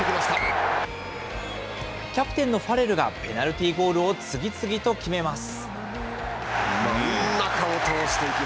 キャプテンのファレルが、ペナルティーゴールを次々と決めます。